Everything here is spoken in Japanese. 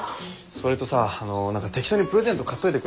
それとさ何か適当にプレゼント買っといてくれる？